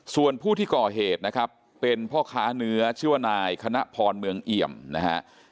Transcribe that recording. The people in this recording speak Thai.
ส่วนผู้ที่ก่อเหตุนะครับเป็นพ่อค้าเนื้อชื่อว่านายคณะพรเมืองเอี่ยมนะฮะ